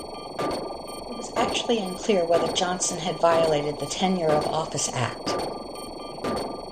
It was actually unclear whether Johnson had violated the Tenure of Office Act.